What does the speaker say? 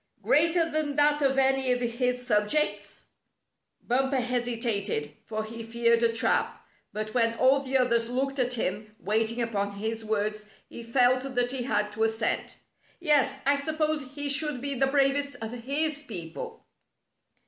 "Greater than that of any of his subjects?" 44 A Test of Courage ^45 Bumper hesitated, for he feared a trap; but when all the others looked at him, waiting upon his words, he felt that he had to assent. ''Yes, I suppose he should be the bravest of his people."